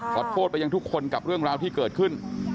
ขอโทษไปยังทุกคนกับเรื่องราวที่เกิดขึ้น